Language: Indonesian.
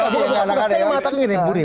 bukan bukan bukan saya yang mengatakan ini budi